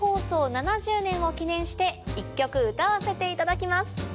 ７０年を記念して１曲歌わせていただきます。